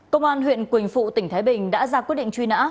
công an huyện quỳnh phụ tỉnh thái bình đã ra quyết định truy nã